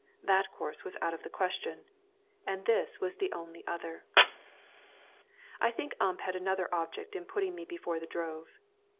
That course was out of the question, and this was the only other. I think Ump had another object in putting me before the drove.